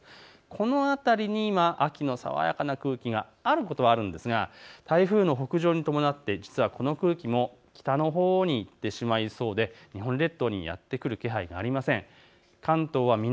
この辺りに今、秋の爽やかな空気があることはあるんですが台風の北上に伴ってこの空気も北のほうに行ってしまいそうで、日本列島にやって来る気配はありません。